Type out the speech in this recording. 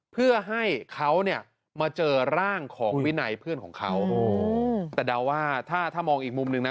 เพื่อให้เขาเนี่ยมาเจอร่างของวินัยเพื่อนของเขาแต่เดาว่าถ้าถ้ามองอีกมุมหนึ่งนะ